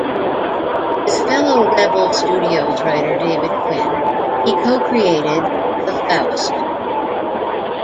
With fellow Rebel Studios writer David Quinn, he co-created the Faust.